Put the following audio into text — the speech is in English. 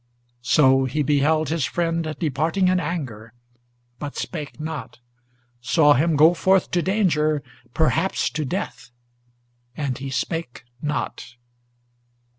So he beheld his friend departing in anger, but spake not, Saw him go forth to danger, perhaps to death, and he spake not!